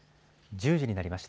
１０時になりました。